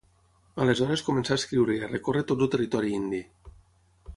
Aleshores començà a escriure i a recórrer tot el territori indi.